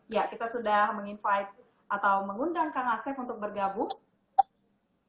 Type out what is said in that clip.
ya kita sudah mengundang kang asep untuk bergabung